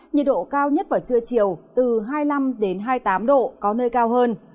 nhiệt độ cao nhất vào trưa chiều từ hai mươi năm hai mươi tám độ có nơi cao hơn